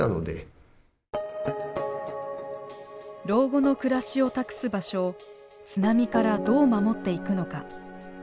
老後の暮らしを託す場所を津波からどう守っていくのか。